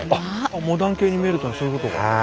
モダン系に見えるというのはそういうことか。